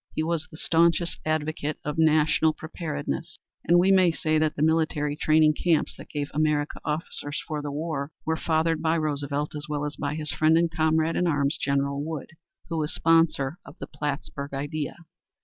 He was the staunchest advocate of national preparedness, and we may say that the military training camps that gave America officers for the war were fathered by Roosevelt as well as by his friend and comrade in arms, General Wood, who was sponsor of "The Plattsburg Idea."